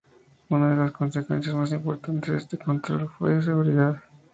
Una de las consecuencias más importantes de este control fue la seguridad.